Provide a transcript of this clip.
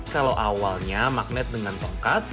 kalau awalnya magnet dengan tongkat